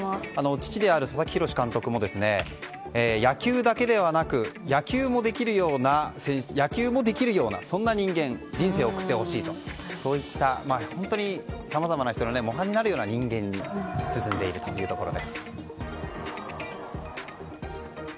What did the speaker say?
父である佐々木洋監督も野球だけではなく野球もできるようなそんな人間人生を送ってほしいと本当にさまざまな人の模範になるような人にというところです。